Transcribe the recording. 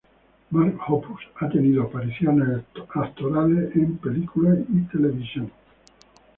Mark Hoppus ha tenido apariciones actorales en películas y televisión.